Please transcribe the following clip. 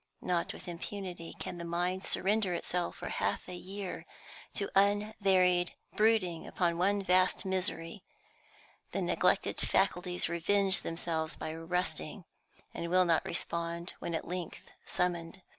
Not with impunity can the human mind surrender itself for half a year to unvaried brooding upon one vast misery; the neglected faculties revenge themselves by rusting, and will not respond when at length summoned.